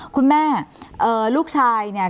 คุณแม่ลูกชายเนี่ย